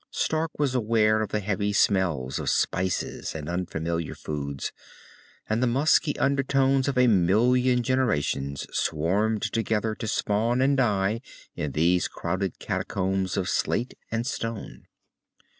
Stark was aware of the heavy smells of spices and unfamiliar foods, and the musky undertones of a million generations swarmed together to spawn and die in these crowded catacombs of slate and stone.